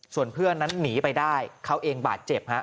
ส่วนเพื่อนนั้นหนีไปได้เขาเองบาดเจ็บฮะ